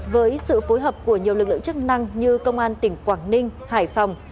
với sự phối hợp của nhiều lực lượng chức năng như công an tỉnh quảng ninh hải phòng